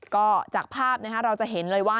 ก็จากภาพเราจะเห็นเลยว่า